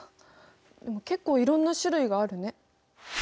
でも結構いろんな種類があるね。